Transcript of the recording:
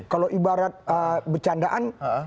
kalau ibarat bercandaan